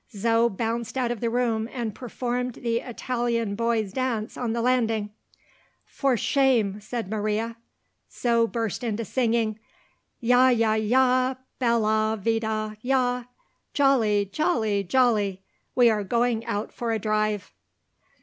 Zo bounced out of the room, and performed the Italian boy's dance on the landing. "For shame!" said Maria. Zo burst into singing. "Yah yah yah bellah vitah yah! Jolly! jolly! jolly! we are going out for a drive!"